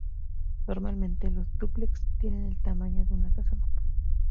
Normalmente, los dúplex tienen el tamaño de una casa normal.